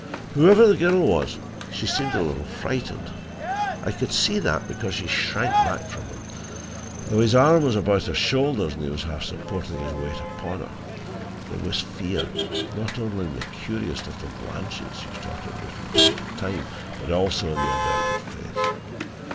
"Whoever the girl was, she seemed a little frightened, I could see that, because she shrank back from him though his arm was about her shoulders and he was half supporting his weight upon her. There was fear, not only in the curious little glances she shot at me from time to time, but also in the averted face.